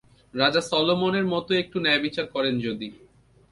রাজা সলোমনের মতো একটু ন্যায়বিচার করেন যদি।